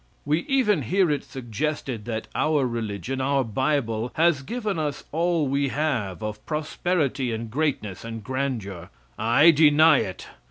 We even hear it suggested that our religion, our Bible, has given us all we have of prosperity and greatness and grandeur. I deny it!